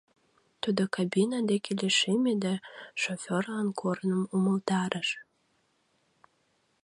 Тудо кабина деке лишеме да шофёрлан корным умылтарыш.